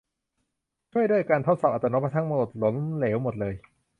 ช่วยด้วย การทดสอบอัตโนมัติทั้งหมดล้มเหลวหมดเลย